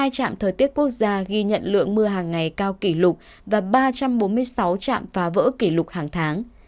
một mươi trạm thời tiết quốc gia ghi nhận lượng mưa hàng ngày cao kỷ lục và ba trăm bốn mươi sáu trạm phá vỡ kỷ lục hàng tháng